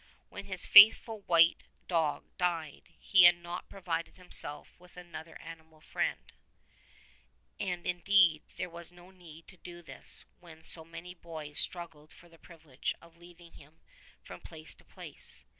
When his faithful white dog died he had not provided himself with another animal friend, and indeed there was no need to do this when so many boys struggled for the privilege of leading him from place to place.